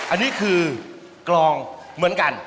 อันนี้คือกลองเหมือนกัน